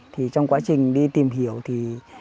thì trong quá trình đi tìm hiểu thì